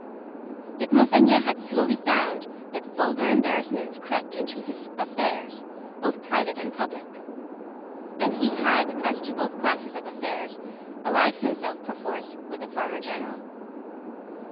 Yet, Monseigneur had slowly found that vulgar embarrassments crept into his affairs, both private and public; and he had, as to both classes of affairs, allied himself perforce with a Farmer General.